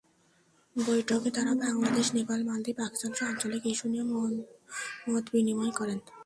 বৈঠকে তাঁরা বাংলাদেশ, নেপাল, মালদ্বীপ, পাকিস্তানসহ আঞ্চলিক ইস্যু নিয়ে মতবিনিময় করেন।